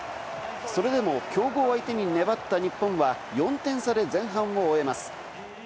それでも強豪相手に粘った日本は４点差で前半を終えます。